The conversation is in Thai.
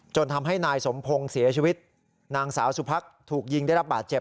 ทำให้นายสมพงศ์เสียชีวิตนางสาวสุพักถูกยิงได้รับบาดเจ็บ